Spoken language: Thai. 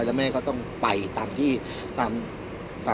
พี่อัดมาสองวันไม่มีใครรู้หรอก